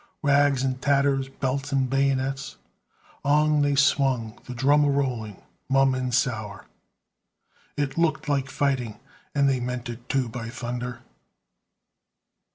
"Rags and tatters, belts and bayonets, On they swung, the drum a rolling, Mum and sour. It looked like fighting, And they meant it too, by thunder!"